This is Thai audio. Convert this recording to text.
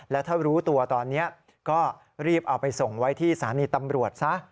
และถ้ารู้ตัวตอนนี้ก็รีบเอาไปส่งไว้ที่สถานีตำรวจซะ